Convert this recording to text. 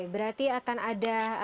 oke berarti akan ada